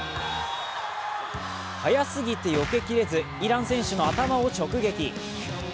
早すぎてよけきれず、イラン選手の頭を直撃。